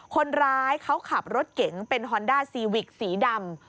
คนร้ายเขาขับรถเก๋งเป็นฮอนด้าซีวิกสีดำ